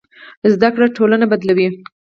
زده کړه ټولنه بدلوي.